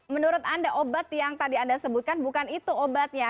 menurut anda obat yang tadi anda sebutkan bukan itu obatnya